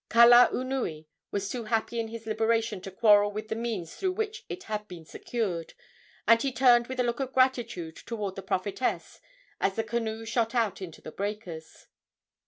Kalaunui was too happy in his liberation to quarrel with the means through which it had been secured, and he turned with a look of gratitude toward the prophetess as the canoe shot out into the breakers.